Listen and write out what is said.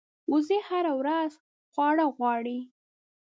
وزې هره ورځ خواړه غواړي